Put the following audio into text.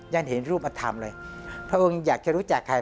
ยังเห็นรูปธรรมเลยพระองค์อยากจะรู้จักใคร